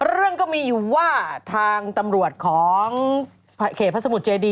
เรื่องก็มีอยู่ว่าทางตำรวจของเขตพระสมุทรเจดี